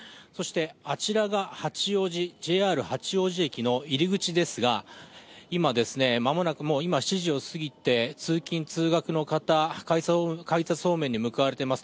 あちらがＪＲ八王子駅の入り口ですが、今、間もなく、７時を過ぎて通勤・通学の方が改札方面に向かわれています。